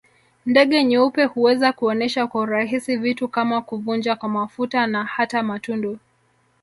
Ndege nyeupe huweza kuonesha kwa urahisi vitu kama kuvuja kwa mafuta na hata matundu